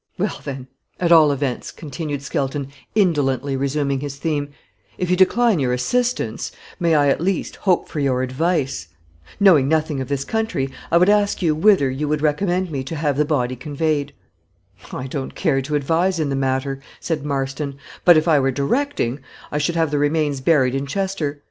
"Well, then, at all events," continued Skelton, indolently resuming his theme, "if you decline your assistance, may I, at least, hope for your advice? Knowing nothing of this country, I would ask you whither you would recommend me to have the body conveyed?" "I don't care to advise in the matter," said Marston; "but if I were directing, I should have the remains buried in Chester.